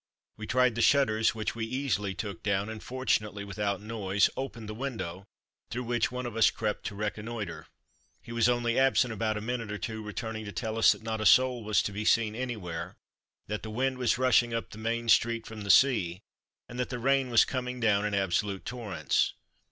We tried the shutters which we easily took down and, fortunately without noise, opened the window, through which one of us crept to reconnoitre. He was only absent about a minute or two, returning to tell us that not a soul was to be seen anywhere; that the wind was rushing up the main street from the sea, and that the rain was coming down in absolute torrents.